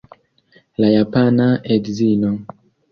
La japana edzino.